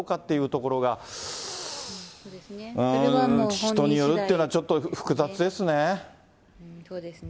それが人によるというのはちょっと複雑ですね。